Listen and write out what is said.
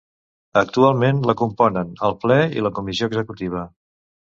Actualment la componen el Ple i la Comissió Executiva.